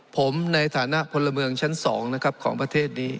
ผมในฐานะพลเมืองชั้น๒นะครับของประเทศนี้